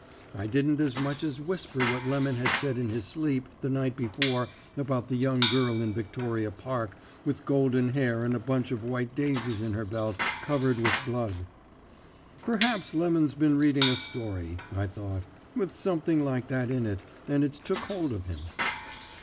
I didn't as much as whisper what Lemon had said in his sleep the night before about the young girl in Victoria Park with golden hair and a bunch of white daisies in her belt, covered with blood. "'Perhaps Lemon's been reading a story,' I thought, 'with something like that in it, and it's took hold of him.'